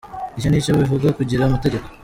" Icyo ni cyo bivuga kugira amategeko.